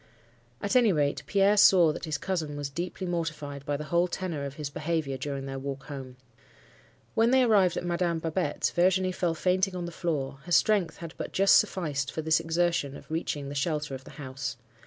"At any rate, Pierre saw that his cousin was deeply mortified by the whole tenor of his behaviour during their walk home. When they arrived at Madame Babette's, Virginie fell fainting on the floor; her strength had but just sufficed for this exertion of reaching the shelter of the house.